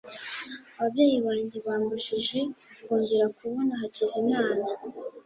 ababyeyi banjye bambujije kongera kubona hakizimana